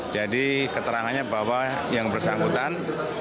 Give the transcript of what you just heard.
jadi keterangannya bahwa yang bersangkutan